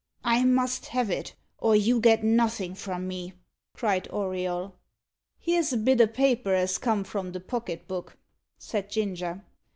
"I must have it, or you get nothing from me," cried Auriol. "Here's a bit o' paper as come from the pocket book," said Ginger.